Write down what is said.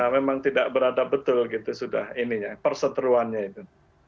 memang tidak berada betul gitu sudah perseteruannya itu